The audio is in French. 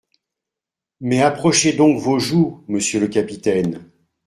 Mais approchez donc vos joues, monsieur le capitaine…